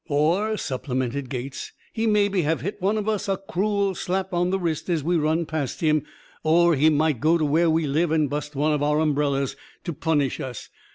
"Or," supplemented Gates, "he'd maybe have hit one of us a crool slap on the wrist as we run past him. Or he might go to where we live and bust one of our umbrellas, to punish us.